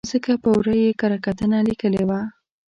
ځکه په ور ه یې کره کتنه لیکلې وه.